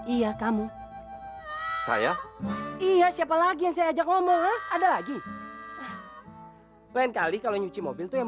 iya kamu saya iya siapa lagi yang saya ajak ngomong ada lagi lain kali kalau nyuci mobil itu yang